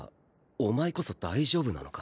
お前こそ大丈夫なのか？